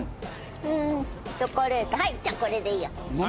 チョコレートはいじゃあこれでいいや。